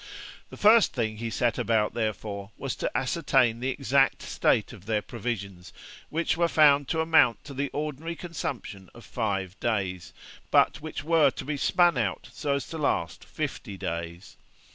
The first thing he set about, therefore, was to ascertain the exact state of their provisions, which were found to amount to the ordinary consumption of five days, but which were to be spun out so as to last fifty days.